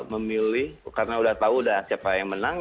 memilih karena udah tahu siapa yang menang